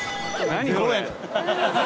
何これ？